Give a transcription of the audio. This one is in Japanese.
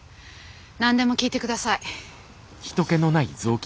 何でも聞いて下さい。